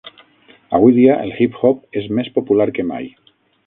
Avui dia, el hip hop és més popular que mai.